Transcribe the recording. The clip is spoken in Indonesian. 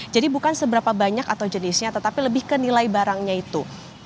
jadi bukan seberapa banyak atau jenisnya tetapi lebih ke nilai barangnya itu